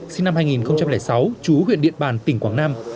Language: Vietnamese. sinh năm hai nghìn sáu chú huyện điện bàn tỉnh quảng nam